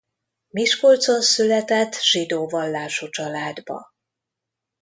Miskolcon született zsidó vallású családba.